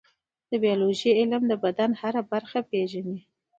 د پیتالوژي علم د بدن هره برخه پېژني.